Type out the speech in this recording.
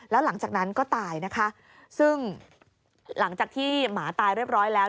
แล้วหลังจากนั้นก็ตายนะคะซึ่งหลังจากที่หมาตายเรียบร้อยแล้ว